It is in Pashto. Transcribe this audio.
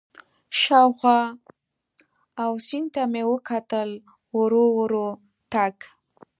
شاوخوا او سیند ته مې وکتل، ورو ورو تګ.